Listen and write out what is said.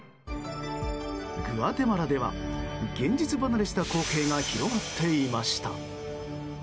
グアテマラでは現実離れした光景が広がっていました。